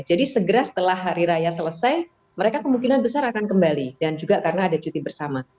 jadi segera setelah hari raya selesai mereka kemungkinan besar akan kembali dan juga karena ada cuti bersama